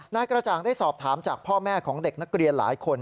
นายกระจ่างได้สอบถามจากพ่อแม่ของเด็กนักเรียนหลายคน